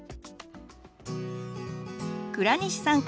倉西さん